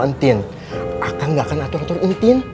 nantiin akan gak akan atur atur intin